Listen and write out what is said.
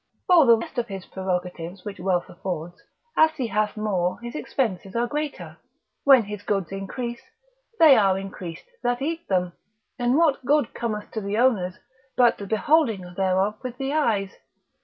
For the rest of his prerogatives which wealth affords, as he hath more his expenses are the greater. When goods increase, they are increased that eat them; and what good cometh to the owners, but the beholding thereof with the eyes?